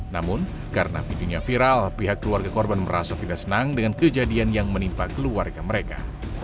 namun karena videonya viral pihak keluarga korban merasa tidak senang dengan kejadian yang menimpa keluarga mereka